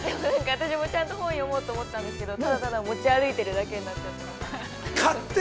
◆私もちゃんと本を読もうと思ったんですけどただただ、持ち歩いてるだけになっちゃって。